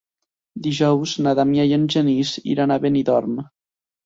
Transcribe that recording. Dijous na Damià i en Genís iran a Benidorm.